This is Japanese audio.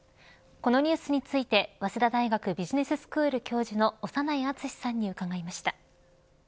このニュースについて早稲田大学ビジネススクール教授の長内厚さんに伺いました。